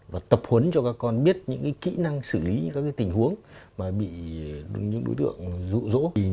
và tập huấn cho các con biết những kỹ năng xử lý những tình huống mà bị những đối tượng rụ rỗ